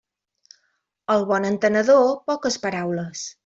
Al bon entenedor, poques paraules.